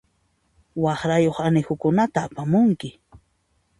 Waqrayuq anihukunata apamunki.